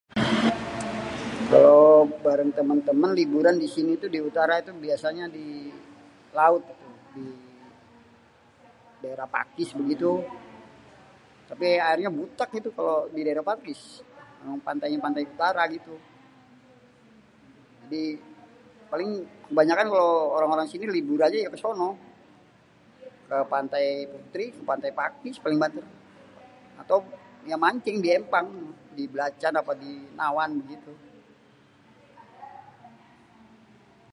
Kalo bareng temen-temen liburan di sini tuh di Utara tuh biasanye di laut itu, di daerah Pakis begitu tapi aérnye buték itu kalo daerah Pakis emang-emangnyé pantai-pantai utara gitu jadi paling kebanyakan kalo orang-orang sini liburannya ya ke sono ke Pantai Teris, Pantai Pakis paling bader atau mancing di empang di belacan apé di nawan gitu.